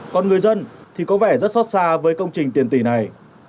còn người dân thì có vẻ rất xót xa với công trình tiền tỷ này